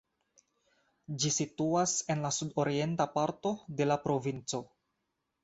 Ĝi situas en la sudorienta parto de la provinco.